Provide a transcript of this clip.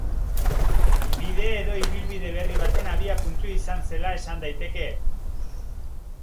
Bide edo ibilbide berri baten abiapuntu izan zela esan daiteke.